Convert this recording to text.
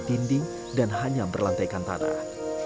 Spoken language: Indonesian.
dinding dan hanya berlantaikan tanah